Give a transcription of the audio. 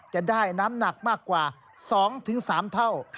จะได้น้ำหนักมากกว่า๒๓เท่า